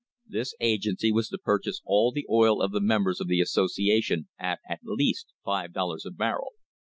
This agency was to purchase all the oil of the members of the association at at least five dollars a barrel.